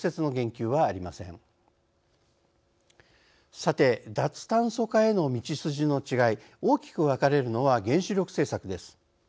さて脱炭素化への道筋の違い大きく分かれるのは原子力政策です。